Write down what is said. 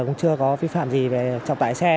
cũng chưa có vi phạm gì về trọng tải xe